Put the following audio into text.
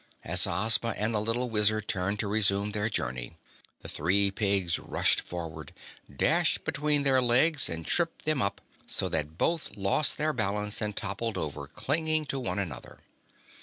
As Ozma and the little Wizard turned to resume their journey, the three pigs rushed forward, dashed between their legs, and tripped them up, so that both lost their balance and toppled over, clinging to one another.